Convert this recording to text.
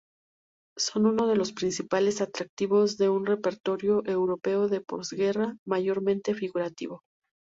Son uno de los principales atractivos de un repertorio europeo de posguerra, mayormente figurativo.